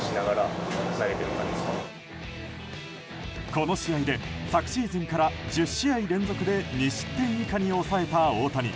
この試合で昨シーズンから１０試合連続で２失点以下に抑えた大谷。